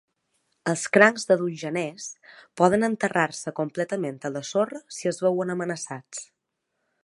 Els crancs de Dungeness poden enterrar-se completament a la sorra si es veuen amenaçats.